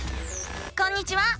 こんにちは！